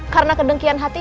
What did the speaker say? karena kedengkian hatimu